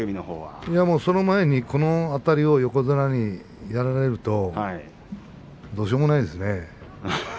その前にこのあたりは横綱にやられるともうどうしようもないですね。